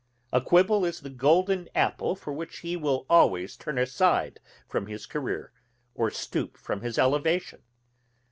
A quibble is the golden apple for which he will always turn aside from his career, or stoop from his elevation.